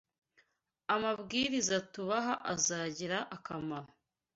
Amabwiriza tubaha azagira akamaro